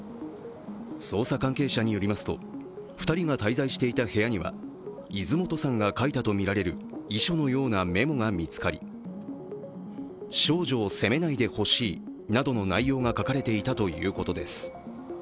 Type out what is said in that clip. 捜査関係者によりますと、２人が滞在していた部屋には泉本さんが書いたとみられる遺書のようなメモが見つかり少女を責めないでほしいなどの内容が書かれていたということです。